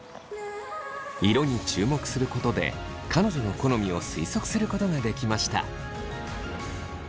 色に注目することで彼女の好みを推測することができました。